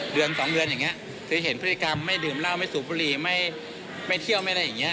เดือน๒เดือนอย่างนี้คือเห็นพฤติกรรมไม่ดื่มเหล้าไม่สูบบุหรี่ไม่เที่ยวไม่อะไรอย่างนี้